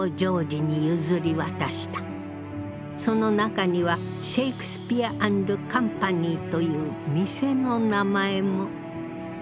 その中にはシェイクスピア・アンド・カンパニーという店の名前も。